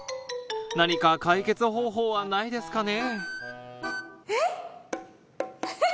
何か解決方法はないですかね？